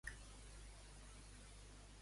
Com és que Aquil·les va matar-lo?